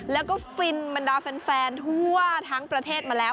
แล้วก็ฟินบรรดาแฟนทั่วทั้งประเทศมาแล้ว